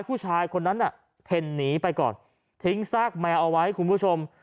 ผู้ชายคนนั้นน่ะเพ่นหนีไปก่อนทิ้งซากแมวเอาไว้คุณผู้ชม